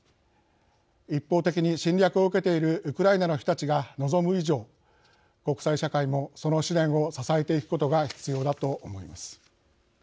一方的に侵略を受けているウクライナの人たちが望む以上国際社会もその試練を支えていくことが必要だと思います。